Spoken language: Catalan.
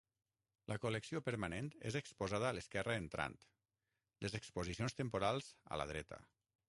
La col·lecció permanent és exposada a l'esquerra entrant, les exposicions temporals a la dreta.